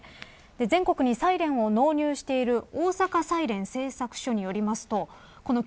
全国にサイレンを納入している大阪サイレン製作所によりますとこの９０